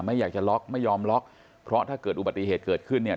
ไม่อยากจะล็อกไม่ยอมล็อกเพราะถ้าเกิดอุบัติเหตุเกิดขึ้นเนี่ย